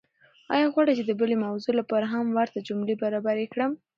ایا غواړئ چې د بلې موضوع لپاره هم ورته جملې برابرې کړم؟